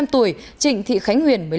bốn mươi năm tuổi chị thị khánh huyền